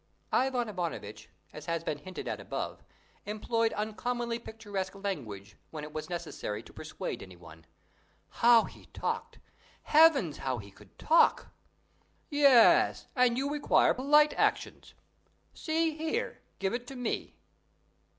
Ivan Ivanovitch as has been hinted at above, employed uncommonly picturesque language when it was necessary to persuade any one. How he talked! Heavens, how he could talk! "Yes, and you require polite actions. See here, give it to me!"